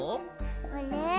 あれ？